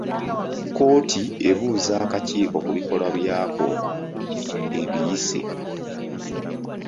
Kkooti ebuuza akakiiko ku bikolwa byako ebiyise.